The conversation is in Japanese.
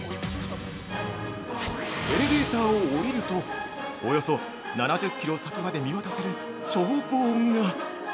エレベーターを降りるとおよそ７０キロ先まで見渡せる眺望が。